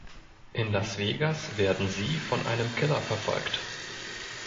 In Las Vegas werden sie von einem Killer verfolgt.